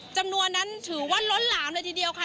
จำนวนนั้นถือว่าล้นหลามเลยทีเดียวค่ะ